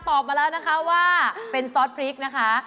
ตอบมาแล้วนะคะว่าเป็นซอสพริกนะคะ